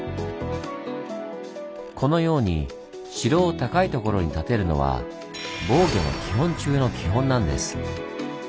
このように城を高いところに建てるのは防御の基本中の基本なんです。